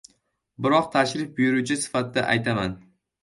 Biroq tashrif buyuruvchi sifatida aytaman.